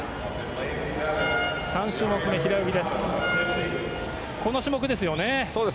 ３種目め、平泳ぎです。